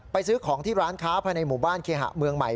ซื้อของที่ร้านค้าภายในหมู่บ้านเคหะเมืองใหม่